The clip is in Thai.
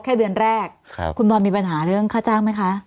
แค่เดือนแรกคุณบอลมีปัญหาเรื่องค่าจ้างไหมคะ